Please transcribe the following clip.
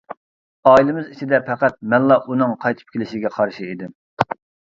ئائىلىمىز ئىچىدە پەقەت مەنلا ئۇنىڭ قايتىپ كېلىشىگە قارشى ئىدىم.